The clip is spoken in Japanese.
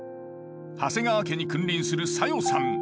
長谷川家に君臨する小夜さん。